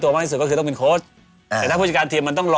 เคยเลือกเหรอ